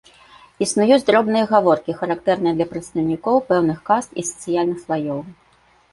Існуюць дробныя гаворкі, характэрныя для прадстаўнікоў пэўных каст і сацыяльных слаёў.